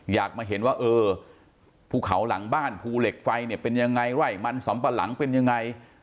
อยากมาเห็นว่าเออภูเขาหลังบ้านภูเหล็กไฟเนี่ยเป็นยังไงไร่มันสำปะหลังเป็นยังไง